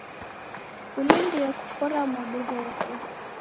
Kulindie kukora modo hovyo